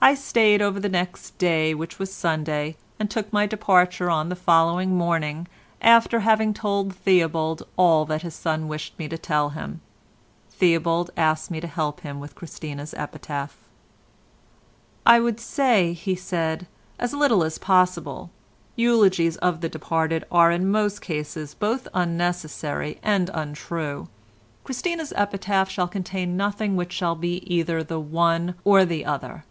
I stayed over the next day which was Sunday, and took my departure on the following morning after having told Theobald all that his son wished me to tell him. Theobald asked me to help him with Christina's epitaph. "I would say," said he, "as little as possible; eulogies of the departed are in most cases both unnecessary and untrue. Christina's epitaph shall contain nothing which shall be either the one or the other.